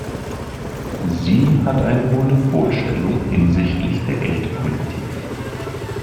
Sie hat eine Monopolstellung hinsichtlich der Geldpolitik.